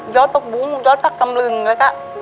ยอดตกบุ้งยอดตกกำลึงแล้วก็